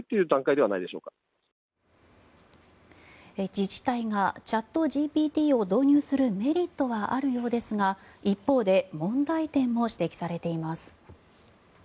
自治体がチャットＧＰＴを導入するメリットはあるようですが一方で問題点も指摘されています。